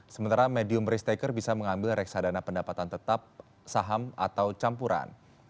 sementara medium risk taker bisa mengambil reksadana pendapatan tetap saham atau campuran